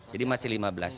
jadi masih lima belas